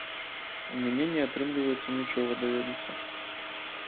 У мяне не атрымліваецца нічога даведацца.